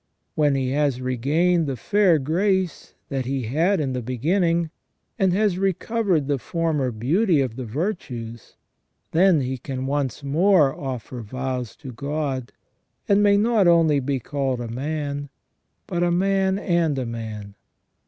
When he has regained the fair grace that he had in the beginning, and has recovered the former beauty of the virtues, then he can once more offer vows to God, and may not only be called a man, but a man and a man.